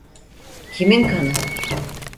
Kimin kanı?